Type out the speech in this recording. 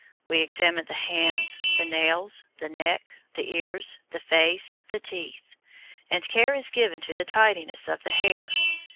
We examine the hands, the nails, the neck, the ears, the face, the teeth; and care is given to the tidiness of the hair.